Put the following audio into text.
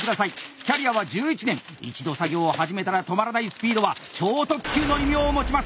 キャリアは１１年一度作業を始めたら止まらないスピードは「超特急」の異名を持ちます。